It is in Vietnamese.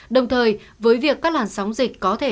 đồng thời với việc các làn sóng dịch có thể